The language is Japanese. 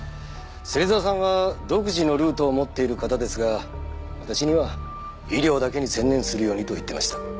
芹沢さんは独自のルートを持っている方ですが私には医療だけに専念するようにと言っていました。